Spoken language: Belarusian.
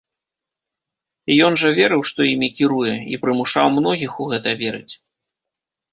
Ён жа верыў, што імі кіруе, і прымушаў многіх у гэта верыць.